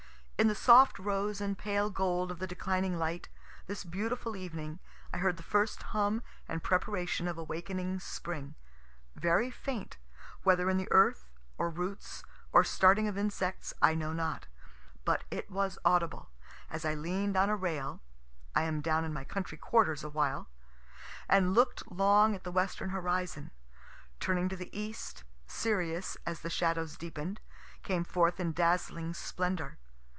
In the soft rose and pale gold of the declining light, this beautiful evening, I heard the first hum and preparation of awakening spring very faint whether in the earth or roots, or starting of insects, I know not but it was audible, as I lean'd on a rail (I am down in my country quarters awhile,) and look'd long at the western horizon. Turning to the east, Sirius, as the shadows deepen'd, came forth in dazzling splendor.